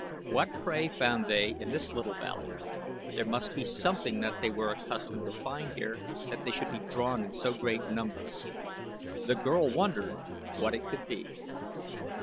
What prey found they in this little valley? There must be something that they were accustomed to find here that they should be drawn in so great numbers. The girl wondered what it could be.